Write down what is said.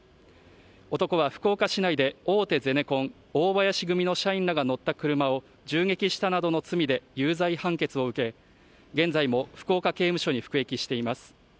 男は福岡市内で大手ゼネコン大林組の社員らが乗った車を銃撃したなどの罪で有罪判決を受け現在も福岡刑務所に服役しています